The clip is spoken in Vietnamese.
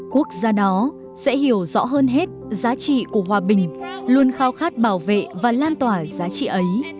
quốc gia đó sẽ hiểu rõ hơn hết giá trị của hòa bình luôn khao khát bảo vệ và lan tỏa giá trị ấy